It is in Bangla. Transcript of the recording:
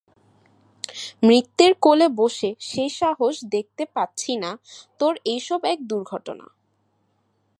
মৃত্যের কোলে বসে সেই সাহস দেখতে পাচ্ছি না তোর এইসব এক দুর্ঘটনা।